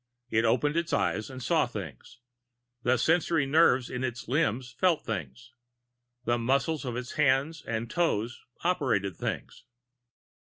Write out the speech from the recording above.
It opened its eyes and saw things. The sensory nerves of its limbs felt things. The muscles of its hands and toes operated things.